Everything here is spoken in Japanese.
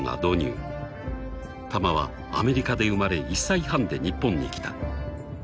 ［タマはアメリカで生まれ１歳半で日本に来た］